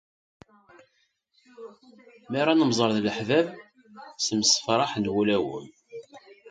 Mi ara nemẓer d leḥbab, ttemsefraḥen wulawen.